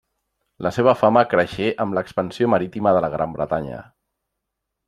La seva fama creixé amb l'expansió marítima de la Gran Bretanya.